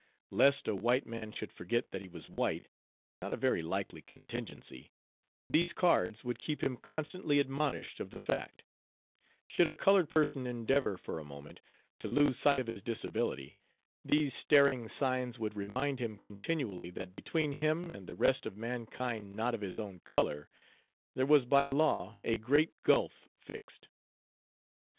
Lest a white man should forget that he was white, not a very likely contingency, these cards would keep him constantly admonished of the fact; should a colored person endeavor, for a moment, to lose sight of his disability, these staring signs would remind him continually that between him and the rest of mankind not of his own color, there was by law a great gulf fixed.